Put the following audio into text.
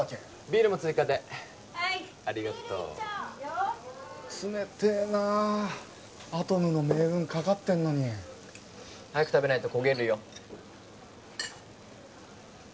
ビールも追加で・はいありがとう・ビール１丁冷てえなアトムの命運かかってんのに早く食べないと焦げるよ